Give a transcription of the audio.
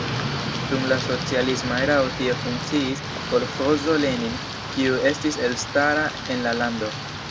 Dum la socialisma erao tie funkciis kolĥozo Lenin, kiu estis elstara en la lando.